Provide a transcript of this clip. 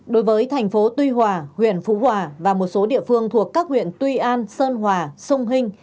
đối với thành phố tuy hòa huyện phú hòa và một số địa phương thuộc các huyện tuy an sơn hòa sông hình